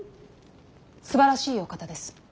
すばらしいお方です。